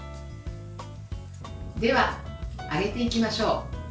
では、揚げていきましょう。